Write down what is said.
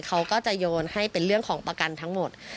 เขาก็จะโยนให้เป็นเรื่องของประกันทั้งหมด